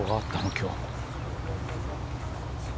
今日。